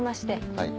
はい。